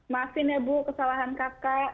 maafin ya bu kesalahan kakak